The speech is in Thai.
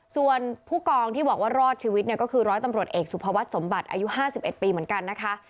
ส่วนผู้กองที่บอกว่ารอดชีวิตเนี่ยก็คือร้อยตำรวจเอกสุภวัฒนสมบัติอายุ๕๑ปีเหมือนกันนะคะ